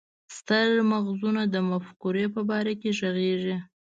ستر مغزونه د مفکورو په باره کې ږغيږي.